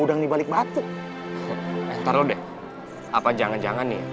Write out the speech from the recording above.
nah iya bob kita ajar aja